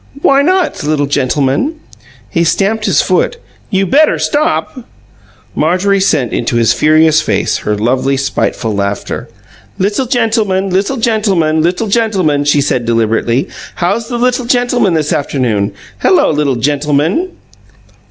"Why not, LITTLE GENTLEMAN?" He stamped his foot. "You better stop!" Marjorie sent into his furious face her lovely, spiteful laughter. "Little gentleman, little gentleman, little gentleman!" she said deliberately. "How's the little gentleman, this afternoon? Hello, little gentleman!"